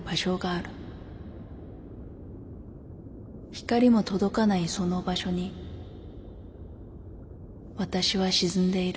光も届かないその場所に私は沈んでいる